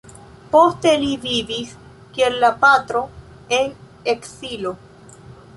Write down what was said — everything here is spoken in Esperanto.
Poste li vivis, kiel la patro, en ekzilo.